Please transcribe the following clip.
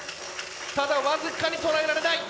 ただ僅かに捉えられない。